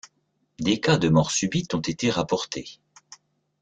Des cas de morts subites ont été rapportés.